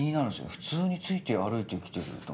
普通について歩いて来てると思って。